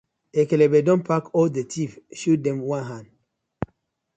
Ekekebe don pack all the thief shoot dem one hand.